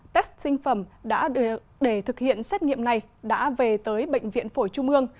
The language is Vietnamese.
một mươi sáu test sinh phẩm để thực hiện xét nghiệm này đã về tới bệnh viện phổi trung ương